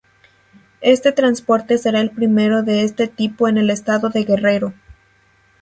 Este transporte será el primero de este tipo en el estado de Guerrero.